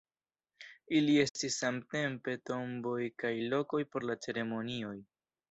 Ili estis samtempe tomboj kaj lokoj por la ceremonioj.